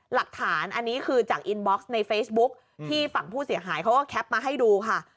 หลักฐานอันนี้คือจากอินบ็อกซ์ในเฟซบุ๊คที่ฝั่งผู้เสียหายเขาก็แคปมาให้ดูค่ะ